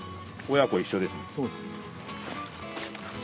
親子一緒ですね。